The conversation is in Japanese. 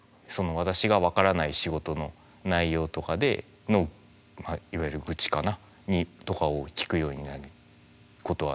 私が分からない仕事の内容とかでいわゆる愚痴かな？とかを聞くようになることは何度かありましたね。